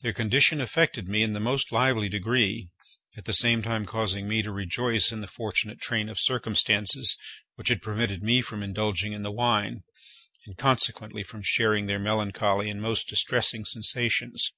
Their condition affected me in the most lively degree, at the same time causing me to rejoice in the fortunate train of circumstances which had prevented me from indulging in the wine, and consequently from sharing their melancholy and most distressing sensations.